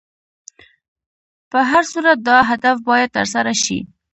په هر صورت دا هدف باید تر سره شي.